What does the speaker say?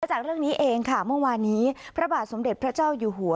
จากเรื่องนี้เองค่ะเมื่อวานนี้พระบาทสมเด็จพระเจ้าอยู่หัว